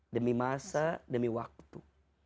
demi masa demi waktu